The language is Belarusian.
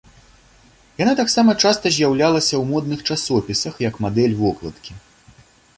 Яна таксама часта з'яўлялася ў модных часопісах як мадэль вокладкі.